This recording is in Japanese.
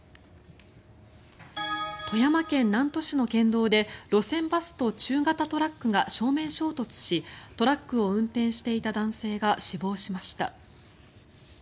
富山県南砺市の県道で路線バスと中型トラックが正面衝突しトラックを運転していた男性が死亡しました。